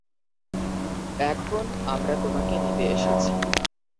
এখন আমরা তোমাকে নিতে এসেছি।